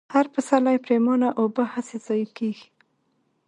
هر پسرلۍ پرېمانه اوبه هسې ضايع كېږي،